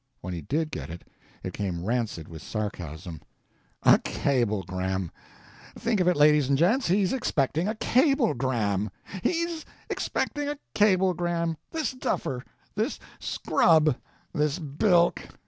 When he did get it, it came rancid with sarcasm. "A cablegram—think of it, ladies and gents, he's expecting a cablegram! He's expecting a cablegram—this duffer, this scrub, this bilk!